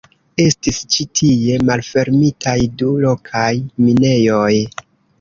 Estis ĉi tie malfermitaj du lokaj minejoj.